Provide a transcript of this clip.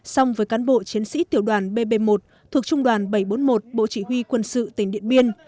song với cán bộ chiến sĩ tiểu đoàn bb một thuộc trung đoàn bảy trăm bốn mươi một bộ chỉ huy quân sự tỉnh điện biên